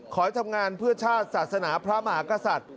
ขอให้ทำงานเพื่อชาติศาสนาพระมหากษัตริย์